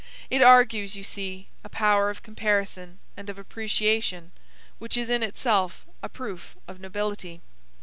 It argues, you see, a power of comparison and of appreciation which is in itself a proof of nobility.